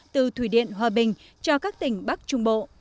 từ thủy điện hòa bình cho các tỉnh bắc trung bộ